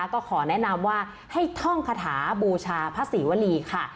ก็ขอแนะนำว่าให้ท่องคาถาบูชาพระศรีวรีค่ะ